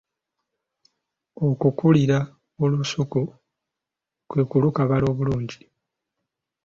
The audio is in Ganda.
Okukukulira olusuku kwe kulukabala obulungi